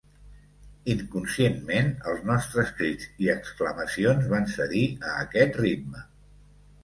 Inconscientment, els nostres crits i exclamacions van cedir a aquest ritme.